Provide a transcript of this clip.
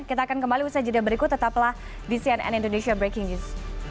kita akan kembali usaha jeda berikut tetaplah di cnn indonesia breaking news